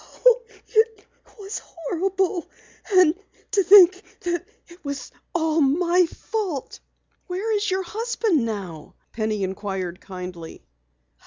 "Oh, it was horrible! And to think that it was all my fault!" "Where is your husband now?" Penny inquired kindly.